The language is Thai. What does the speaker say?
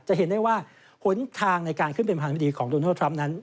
เห็นได้ว่าหนทางในการขึ้นเป็นประธานบดีของโดนัลดทรัมป์นั้น